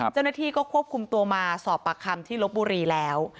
เจ้าหน้าที่ก็ควบคุมตัวมาสอบปากคำที่ลบบุรีแล้ว